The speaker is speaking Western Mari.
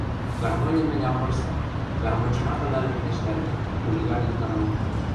— Гармоньым мӹнь ам вырсы, гармоньжымат ада лӹмлештӓрӹ, хулиган юканок.